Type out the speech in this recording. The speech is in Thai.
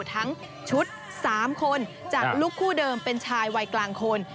ทั้งชุด๓คนจากลูกคู่เดิมเป็นชายวัยกลางคน